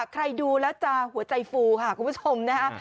ใครดูแล้วจะหัวใจฟูค่ะคุณผู้ชมนะฮะ